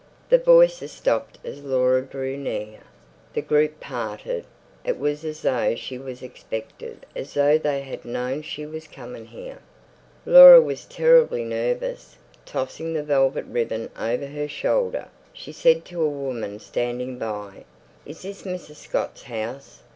The voices stopped as Laura drew near. The group parted. It was as though she was expected, as though they had known she was coming here. Laura was terribly nervous. Tossing the velvet ribbon over her shoulder, she said to a woman standing by, "Is this Mrs. Scott's house?"